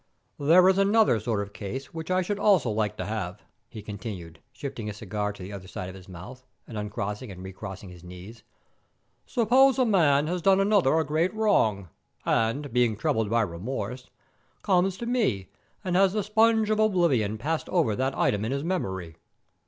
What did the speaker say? "There is another sort of case which I should also like to have," he continued; shifting his cigar to the other side of his mouth, and uncrossing and recrossing his knees. "Suppose a man has done another a great wrong, and, being troubled by remorse, comes to me and has the sponge of oblivion passed over that item in his memory.